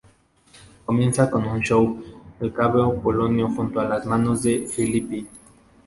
Comienza con un show en el Cabo Polonio junto a Las manos de Filippi.